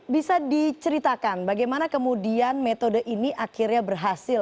bisa diceritakan bagaimana kemudian metode ini akhirnya berhasil